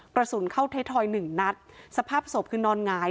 กระสุนเข้าไทยทอยหนึ่งนัดสภาพศพคือนอนหงาย